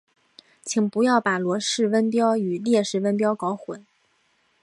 请不要把罗氏温标与列氏温标搞混。